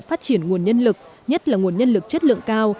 phát triển nguồn nhân lực nhất là nguồn nhân lực chất lượng cao